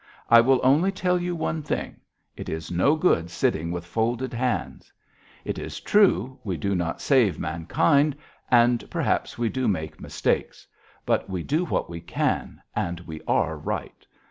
"I will only tell you one thing, it is no good sitting with folded hands. It is true, we do not save mankind, and perhaps we do make mistakes, but we do what we can and we are right.